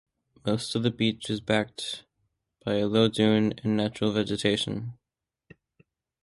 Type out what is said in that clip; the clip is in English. Most of the beach is backed by a low dune and natural vegetation.